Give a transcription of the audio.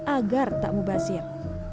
agar tak mubasir